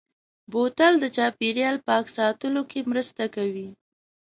بوتل د چاپېریال پاک ساتلو کې مرسته کوي.